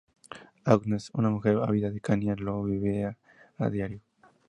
Agnes, una mujer albina de Kenia, lo vive a diario.